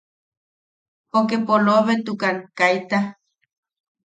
Poke pobeatukan kaita.